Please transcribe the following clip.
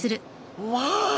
うわ！